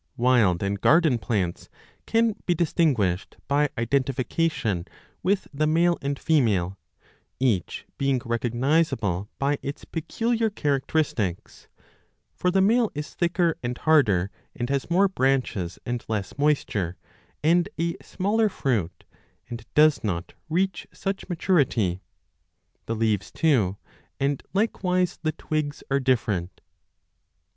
Wild and garden plants can be distinguished by identification with the male and female, each being recognizable by its peculiar characteristics ; for the male is thicker and harder and has more branches and less moisture and a smaller fruit, and as does not reach such maturity ; the leaves, too, and likewise the twigs, are different.